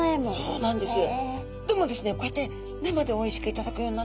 そうなんですね。